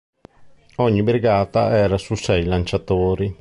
Ogni brigata era su sei lanciatori.